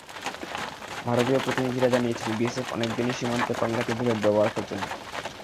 ভারতীয় প্রতিনিধিরা জানিয়েছেন, বিএসএফ অনেক দিনই সীমান্তে প্রাণঘাতী বুলেট ব্যবহার করছে না।